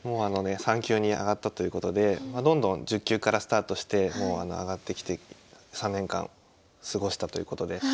３級に上がったということでどんどん１０級からスタートして上がってきて３年間過ごしたということで。